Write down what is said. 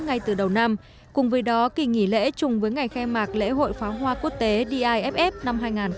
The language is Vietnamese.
ngay từ đầu năm cùng với đó kỳ nghỉ lễ chung với ngày khai mạc lễ hội phá hoa quốc tế diff năm hai nghìn một mươi tám